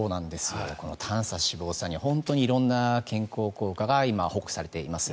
この短鎖脂肪酸には本当に色んな健康効果が今、報告されています。